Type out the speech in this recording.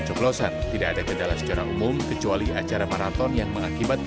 ppln vancouver mencari penyelidikan yang lebih baik